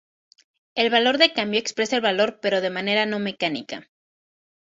El valor de cambio expresa el valor pero de manera no mecánica.